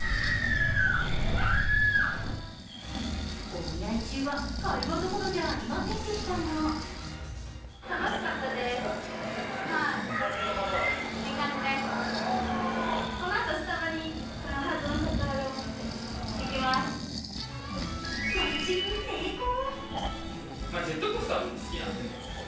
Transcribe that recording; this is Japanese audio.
お見合い中は会話どころじゃありませんでしたがマッチング成功。